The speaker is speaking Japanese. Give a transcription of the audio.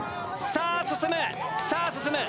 さあ進むさあ進む。